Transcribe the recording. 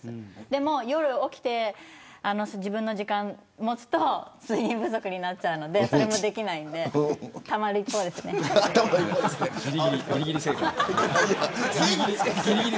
でも夜起きて自分の時間持つと睡眠不足になっちゃうのでそれもできないのでぎりぎりセーフ。